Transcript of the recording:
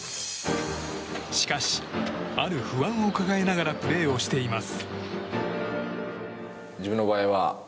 しかし、ある不安を抱えながらプレーをしています。